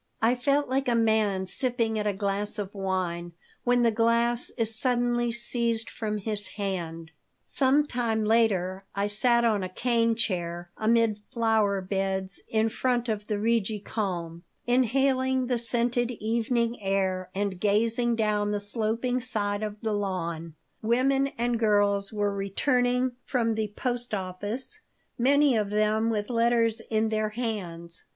I felt like a man sipping at a glass of wine when the glass is suddenly seized from his hand Some time later I sat on a cane chair amid flower beds in front of the Rigi Kulm, inhaling the scented evening air and gazing down the sloping side of the lawn. Women and girls were returning from the post office, many of them with letters in their hands.